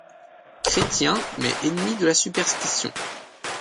Chrétien mais ennemi de la superstition.